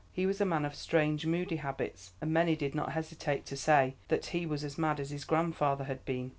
He was a man of strange, moody habits, and many did not hesitate to say that he was as mad as his grandfather had been.